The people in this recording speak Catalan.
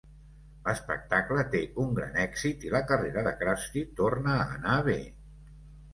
L'espectacle té un gran èxit i la carrera de Krusty torna a anar bé.